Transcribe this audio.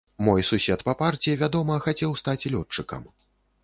Мой сусед па парце, вядома, хацеў стаць лётчыкам.